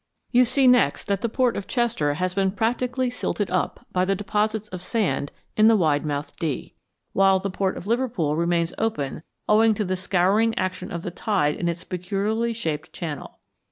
You see next that the port of Chester has been practically silted up by the deposits of sand in the wide mouthed Dee, while the port of Liverpool remains open owing to the scouring action of the tide in its peculiarly shaped channel.